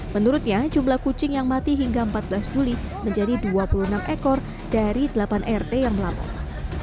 menurutnya jumlah kucing yang mati hingga empat belas juli menjadi dua puluh enam ekor dari delapan rt yang melapor